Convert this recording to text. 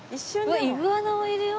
うわイグアナもいるよ。